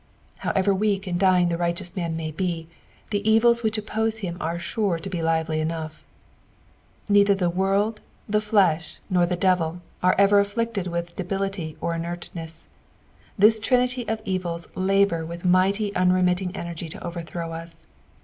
However weak and dying the righteous man may be, the evils which oppose him are sure to bo lively enongfa. Neither the world, the flesh, nor the devil, are ever afflicted with debility or inertness ; this trinity of evils labour with mighty unremitting eneKj to overthrow us.